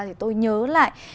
thì tôi nhớ lại